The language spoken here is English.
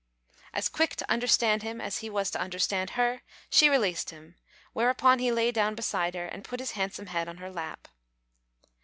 As quick to understand him as he was to understand her, she released him, whereupon he lay down beside her and put his handsome head on her lap.